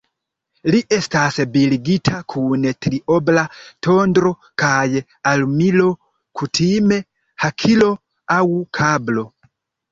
Li estas bildigita kun triobla tondro kaj armilo, kutime hakilo aŭ kablo.